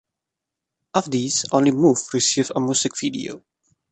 Of these, only "Move" received a music video.